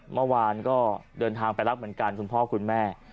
เมื่อวานก็เดินทางไปรับเหมือนกันคุณพ่อคุณแม่